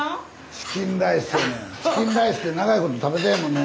チキンライスって長いこと食べてへんもんね。